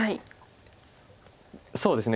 そうですね